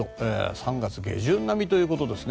３月下旬並みということですね。